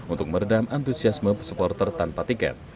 untuk meredam antusiasme supporter tanpa tiket